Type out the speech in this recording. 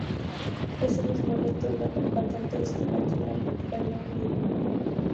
Ese mismo año obtuvo la patente de su invento en el Reino Unido.